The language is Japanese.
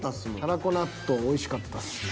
たらこ納豆おいしかったっすね。